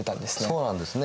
そうなんですね。